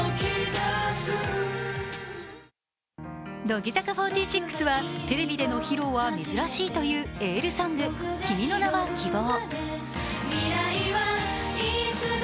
乃木坂４６はテレビでの披露は珍しいというエールソング、「君の名は希望」。